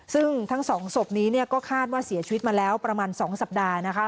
ซึ่งทั้งสองศพนี้เนี่ยก็คาดว่าเสียชีวิตมาแล้วประมาณ๒สัปดาห์นะคะ